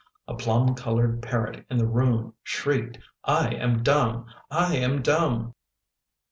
A plum colored parrot in the room shrieked: " I am dumb! I am dumb!